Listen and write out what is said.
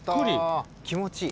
気持ちいい。